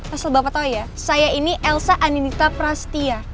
asal bapak tahu ya saya ini elsa aninita prastia